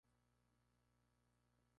El tallo es ramificado y erecto.